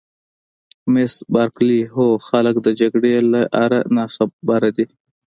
مس بارکلي: هو خلک د جګړې له آره ناخبره دي.